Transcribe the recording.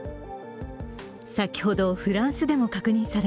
先ほど、フランスでも確認され